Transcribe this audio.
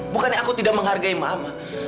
bukannya aku tidak menghargai mama